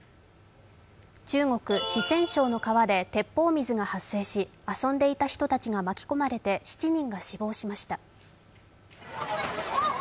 中国・四川省の川で鉄砲水が発生し、遊んでいた人たちが巻き込まれて７人が死亡しました。